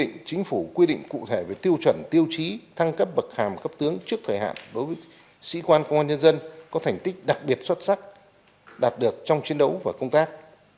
điều hai mươi bốn quy định chính phủ quy định cụ thể về tiêu chuẩn tiêu chí thăng cấp bậc hàm cấp tướng trước thời hạn đối với sĩ quan công an nhân dân có thành tích đặc biệt xuất sắc đạt được trong chiến đấu và công tác